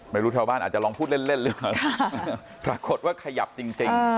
ไม่รู้ชาวบ้านอาจจะลองพูดเล่นหรือเปล่าปรากฏว่าขยับจริง